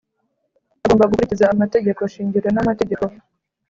Agomba gukurikiza amategeko shingiro n’amategeko